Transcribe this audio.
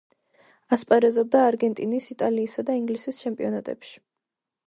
ასპარეზობდა არგენტინის, იტალიისა და ინგლისის ჩემპიონატებში.